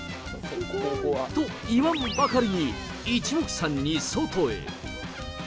と言わんばかりに、いちもくさんに外へ。